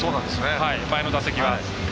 前の打席は。